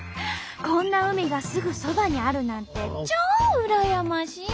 こんな海がすぐそばにあるなんて超羨ましい！